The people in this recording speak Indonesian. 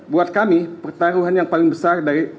buat kami pertaruhan yang paling besar dari